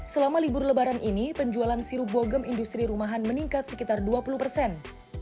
selama libur lebaran ini penjualan sirup bogem industri rumahan meningkat sekitar dua puluh persen